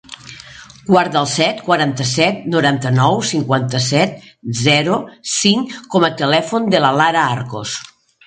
Guarda el set, quaranta-set, noranta-nou, cinquanta-set, zero, cinc com a telèfon de la Lara Arcos.